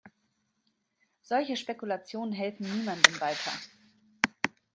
Solche Spekulationen helfen niemandem weiter.